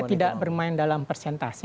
tidak bermain dalam persentase